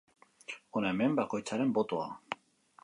Hona hemen bakoitzaren botoa.